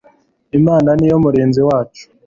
imana niyo murinzi wacu